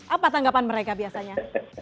apa tanggapan mereka biasanya